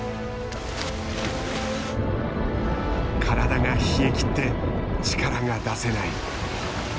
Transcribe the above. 体が冷えきって力が出せない。